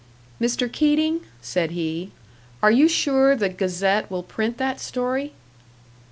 "Mr. Keating," said he, "are you sure the Gazette will print that story?"